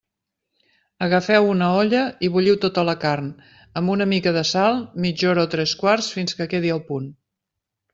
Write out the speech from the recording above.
Agafeu una olla i bulliu tota la carn, amb una mica de sal, mitja hora o tres quarts fins que quedi al punt.